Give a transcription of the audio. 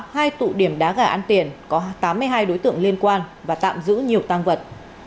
hai tụ điểm đá gà ăn tiền có tám mươi hai đối tượng liên quan và tạm giữ nhiều tăng vật